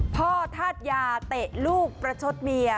พ่อทัดยาเตะลูกประชดเมีย